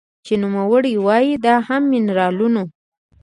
چې نوموړې وايي دا هم د مېنرالونو